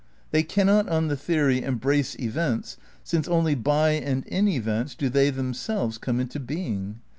They cannot, on the theory, embrace events, since only by and in events do they themselves come into being.